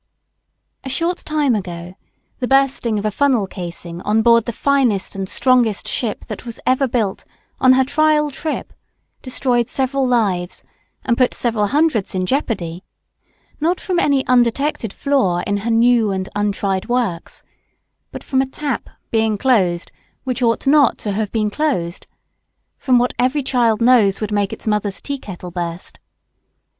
A short time ago the bursting of a funnel casing on board the finest and strongest ship that ever was built, on her trial trip, destroyed several lives and put several hundreds in jeopardy not from any undetected flaw in her new and untried works but from a tap being closed which ought not to have been closed from what every child knows would make its mother's tea kettle burst.